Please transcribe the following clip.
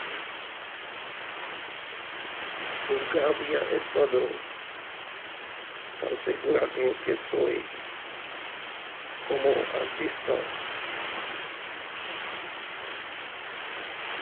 Nunca había estado tan segura de lo que soy como artista.